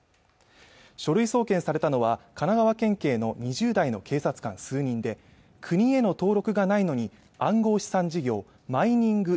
書類送検されたのは神奈川県警の２０代の警察官数人で国への登録がないのに暗号資産事業マイニング